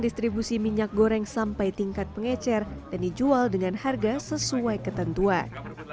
distribusi minyak goreng sampai tingkat pengecer dan dijual dengan harga sesuai ketentuan